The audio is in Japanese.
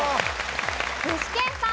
具志堅さん。